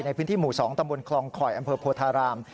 ในพื้นที่หมู่๒ตำบลคลองคอยอำเภอโพธาราม